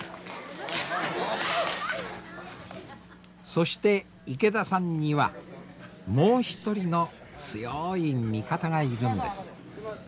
そして池田さんにはもう一人の強い味方がいるんです。